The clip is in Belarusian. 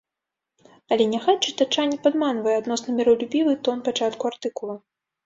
Але няхай чытача не падманвае адносна міралюбівы тон пачатку артыкула.